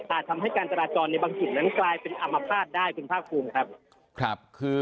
อาจทำให้การตราจรในการคลอยกลายเป็นอํมะภาษได้